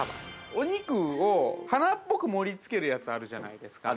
お肉を花っぽく盛りつけるやつあるじゃないですか。